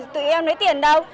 tụi em lấy tiền đâu